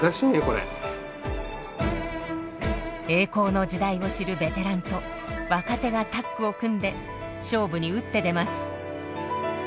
栄光の時代を知るベテランと若手がタッグを組んで勝負に打って出ます。